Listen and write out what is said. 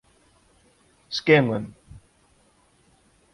Scanlan.